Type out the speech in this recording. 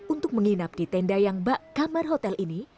untuk menginap di tenda yang bak kamar hotel ini